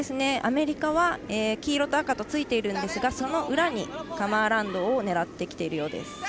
アメリカは黄色と赤とついているんですが、その裏にカム・アラウンドを狙ってきているようです。